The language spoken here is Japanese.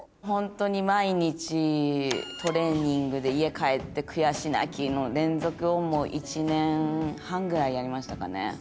ホントに毎日トレーニングで家帰って悔し泣きの連続を１年半ぐらいやりましたかね。